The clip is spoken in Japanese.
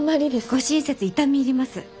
ご親切痛み入ります。